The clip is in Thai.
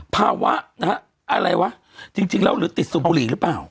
ภาวะนะฮะอะไรวะจริงแล้วหรือติดสูบบุหรี่หรือเปล่า